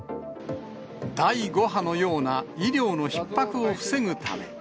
第５波のような医療のひっ迫を防ぐため。